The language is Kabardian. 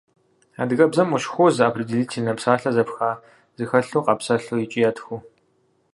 Адыгэбзэм ущыхуозэ определительнэ псалъэ зэпха зэхэлъу къапсэлъу икӏи ятхыу.